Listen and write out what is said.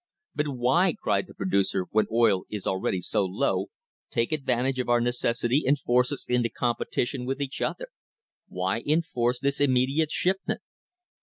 But why, cried the producer, when oil is already so low, take advantage of our necessity and force us into competition with each other; why enforce this immediate shipment?